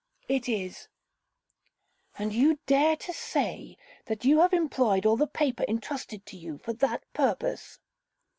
'It is.' 'And you dare to say that you have employed all the paper entrusted to you for that purpose.'